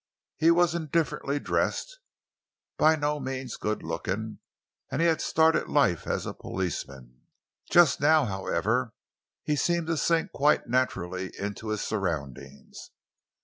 He was indifferently dressed, by no means good looking, and he had started life as a policeman. Just now, however, he seemed to sink quite naturally into his surroundings.